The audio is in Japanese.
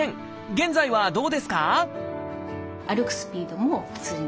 現在はどうですか？